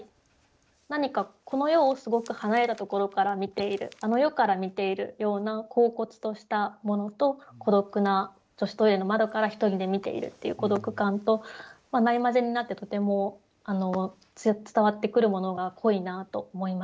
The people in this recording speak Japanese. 何かこの世をすごく離れたところから見ているあの世から見ているようなこうこつとしたものと孤独な女子トイレの窓から一人で見ているっていう孤独感とない交ぜになってとても伝わってくるものが濃いなと思いました。